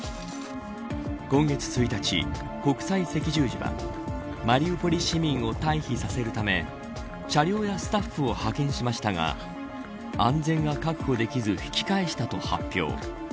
今月１日、国際赤十字はマリウポリ市民を退避させるため車両やスタッフを派遣しましたが安全が確保できず引き返したと発表。